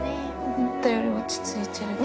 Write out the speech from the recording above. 思ったよりも落ち着いてる。